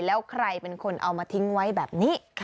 แล้วใครเป็นคนเอามาทิ้งไว้แบบนี้